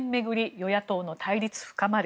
与野党の対立深まる。